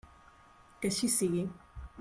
Que així sigui.